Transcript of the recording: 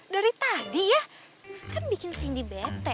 dari tadi ya kan bikin cindy bete